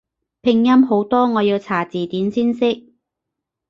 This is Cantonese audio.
拼音好多我要查字典先識